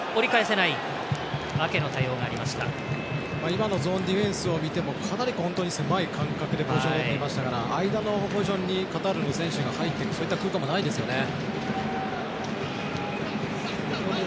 今のゾーンディフェンスを見てもかなり狭い間隔でポジションをとっていましたから間のポジションにカタールの選手が入っていく空間もないですよね。